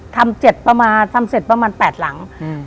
ทำเจ็ดประมาณทำเจ็ดประมาณแปดหลังอืม